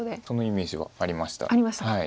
そのイメージがありました。